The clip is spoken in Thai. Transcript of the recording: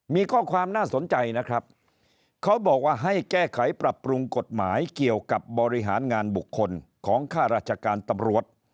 มีข้อความน่าสนใจนะครับเขาบอกว่าให้แก้ไขปรับปรุงกฎหมายเกี่ยวกับบริหารงานบุคคลของค่าราชการตำรวจ